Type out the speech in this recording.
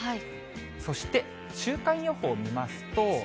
そして、週間予報を見ますと。